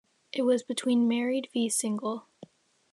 It was between Married v Single.